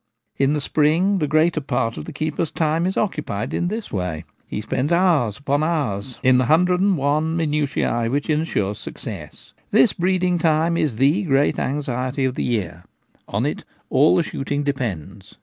In the N spring_the greater part of the keeper's time is occupied in this way : he spends hours upon hours in the hundred and one minutiae which ensure success. This breeding time is the great anxiety of the year : on it all the shooting depends.